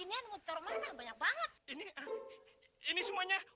nyak jangan mati dulu bapaknya